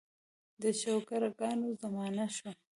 د چوکره ګانو زمانه شوه.